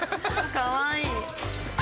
かわいい。